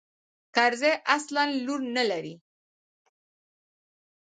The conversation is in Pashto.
کرزى اصلاً لور نه لري.